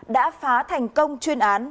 đã phá thành công chuyên án